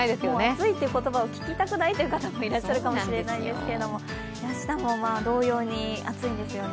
暑いという言葉を聞きたくないという方もいらっしゃるかもしれませんが、明日も同様に暑いんですよね。